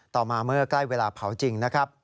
ต่อมาเมื่อใกล้เวลาเผาจริงนะครับ